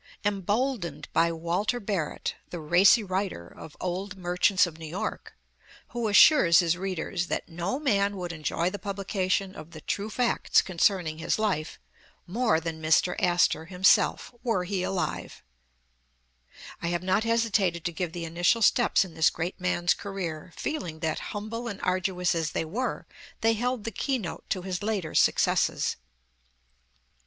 Emboldened by Walter Barrett, the racy writer of ''Old Merchants of New York," who assures his read ers, that "no man would enjoy the publication of the true facts concerning his life, more than Mr. Astor, himself, were he alive, '' I have not hesitated to give the initial steps in this great man's career, feeling that humble and arduous as they were, they held the key note to his later successes.